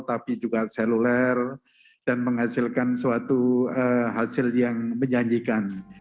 tapi juga seluler dan menghasilkan suatu hasil yang menjanjikan